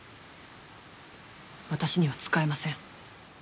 私には使えません。